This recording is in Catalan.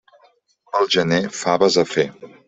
Pel gener, faves a fer.